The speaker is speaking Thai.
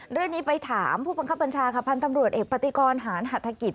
เรื่องนี้ไปถามผู้บังคับบัญชาค่ะพันธ์ตำรวจเอกปฏิกรหารหัฐกิจ